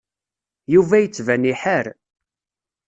Yuba yettban iḥar.